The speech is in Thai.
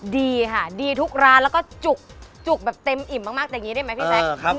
ดีค่ะดีทุกร้านแล้วก็จุกแบบเต็มอิ่มมากอย่างนี้ได้ไหมพี่แจ๊ค